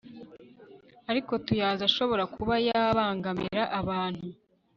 ariko tuyazi ashobora kuba yabangamira abantu